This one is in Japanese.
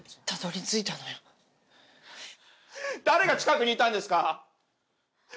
誰が近くにいたんですか？